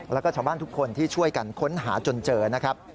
แล้วก็ชาวบ้านทุกคนที่ช่วยกันค้นหาจนเจอนะครับ